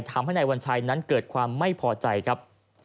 ทำให้นายวัญชัยนั้นเกิดความไม่พอใจครับ